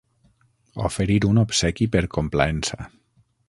Oferir un obsequi per complaença.